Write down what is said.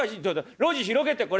路地広げてこれ！